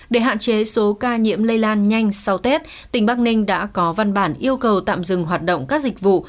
để hạn chế số ca nhiễm lây lan nhanh sau tết tỉnh bắc ninh đã có văn bản yêu cầu tạm dừng hoạt động các dịch vụ